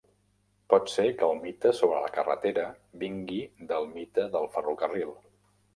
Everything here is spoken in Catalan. Pot ser que el mite sobre la carretera vingui del mite del ferrocarril.